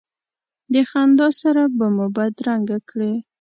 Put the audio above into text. د خندا سره به مو بدرګه کړې.